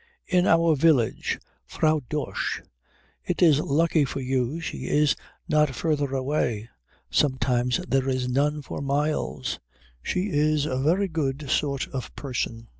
"In our village. Frau Dosch. It is lucky for you she is not further away. Sometimes there is none for miles. She is a very good sort of person.